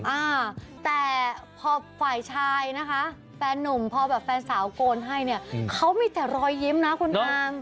อ่าแต่พอฝ่ายชายนะคะแฟนนุ่มพอแบบแฟนสาวโกนให้เนี่ยเขามีแต่รอยยิ้มนะคุณอาง